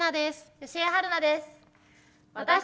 吉江晴菜です。